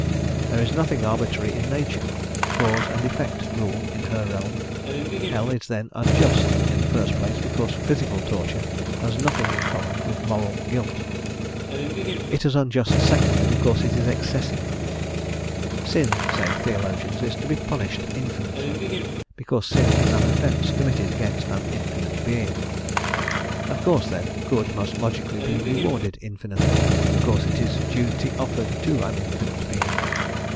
There is nothing arbitrary in nature: cause and effect rule in her realm. Hell is then unjust, in the first place, because physical torture has nothing in common with moral guilt. It is unjust, secondly, because it is excessive. Sin, say theologians, is to be punished infinitely, because sin is an offence committed against an infinite being. Of course, then, good must logically be rewarded infinitely, because it is duty offered to an infinite being.